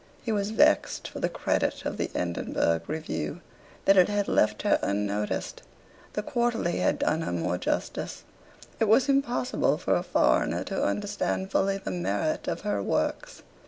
. He was vexed for the credit of the "Edinburgh Review" that it had left her unnoticed . .. The "Quarterly" had done her more justice ... It was impossible for a foreigner to understand fully the merit of her works.